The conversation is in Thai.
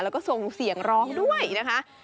แล้วก็ส่งเสียงร้องด้วยนะคะ